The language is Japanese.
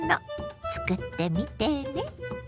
つくってみてね。